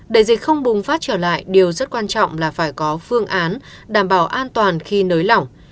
đại dịch không bùng phát trở lại điều rất quan trọng là phải có phương án đảm bảo an toàn khi nới lỏng